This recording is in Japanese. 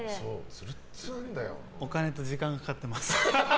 お金と時間がかかってます。